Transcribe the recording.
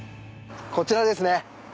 こちらですね。